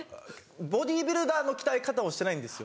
ボディビルダーの鍛え方をしてないんですよ。